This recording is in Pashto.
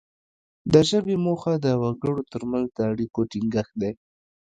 د ژبې موخه د وګړو ترمنځ د اړیکو ټینګښت دی